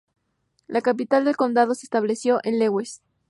La capital del condado se estableció en Lewes.